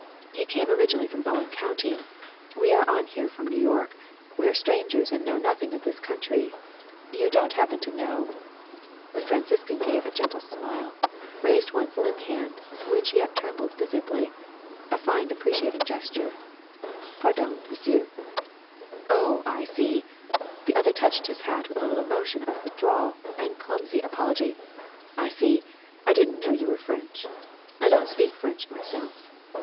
He came originally from Owen County. We are on here from New York. We are strangers and we know nothing of this country. You don't happen to know' The Franciscan gave a gentle smile, raised one slim hand, which yet trembled visibly a fine deprecating gesture. 'Pardon, m 'sieu!' 'Oh, I see.' The other touched his hat with a little motion of withdrawal and clumsy apology. 'I see. I didn't know you were French. I don't speak French myself.